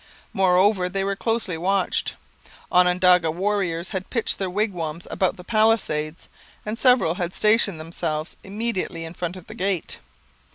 Moreover, they were closely watched: Onondaga warriors had pitched their wigwams about the palisades and several had stationed themselves immediately in front of the gate.